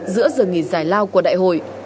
bất giờ nghỉ giải lao của đại hội